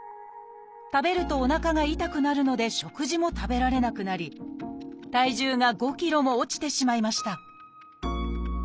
食べるとおなかが痛くなるので食事も食べられなくなり体重が５ｋｇも落ちてしまいました